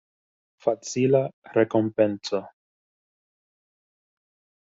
Facila rekompenco.